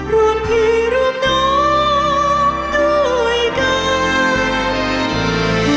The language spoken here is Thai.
รวมพี่ร่วมน้องด้วยกัน